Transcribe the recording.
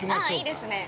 ◆いいですね。